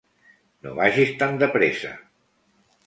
No vagis tan de pressa.